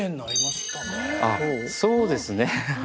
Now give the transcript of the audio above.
あっそうですね。